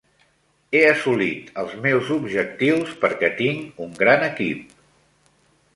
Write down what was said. He assolit els meus objectius perquè tinc un gran equip.